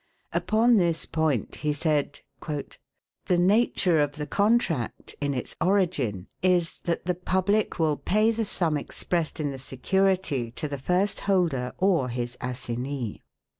Upon this point he said: "The nature of the contract, in its origin, is, that the public will pay the sum expressed in the security, to the first holder or his assignee.